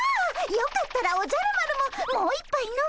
よかったらおじゃる丸ももう一杯飲むかい？